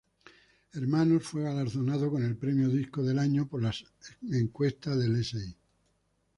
Hermanos fue galardonado con el premio disco del año por la encuesta del Si!